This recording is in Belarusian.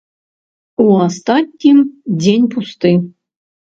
У астатнім, дзень пусты.